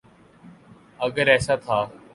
اگر ایسا تھا۔